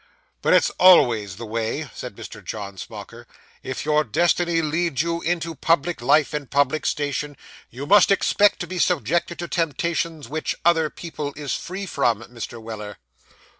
'But it's always the way,' said Mr. John Smauker; 'if your destiny leads you into public life, and public station, you must expect to be subjected to temptations which other people is free from, Mr. Weller.